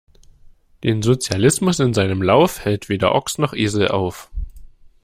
Den Sozialismus in seinem Lauf, hält weder Ochs noch Esel auf!